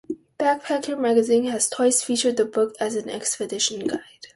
"Backpacker" magazine has twice featured the book as an expedition guide.